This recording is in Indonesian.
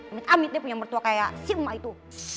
amit amitnya punya mertua kayak si umar itu